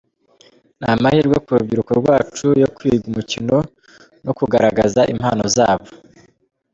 Ni amahirwe ku rubyiruko rwacu yo kwiga umukino no kugaragaza impano zabo.